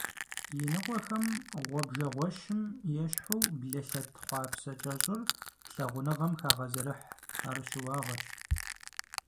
Иныкъуэхэм гъуэбжэгъуэщым ещхьу блэлъэт хъуапсэ кӀэщӀыр лъагъуныгъэм хагъэзэрыхь, ар щыуагъэщ.